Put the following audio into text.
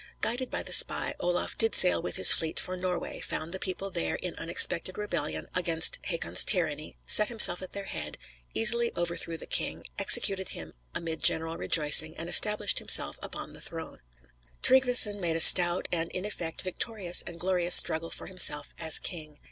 Guided by the spy, Olaf did sail with his fleet for Norway, found the people there in unexpected rebellion against Hakon's tyranny, set himself at their head, easily overthrew the king, executed him amid general rejoicing and established himself upon the throne.] Tryggveson made a stout, and, in effect, victorious and glorious struggle for himself as king.